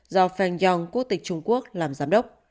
do feng yong quốc tịch trung quốc làm giám đốc